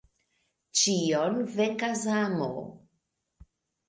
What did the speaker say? Ĉion venkas amo.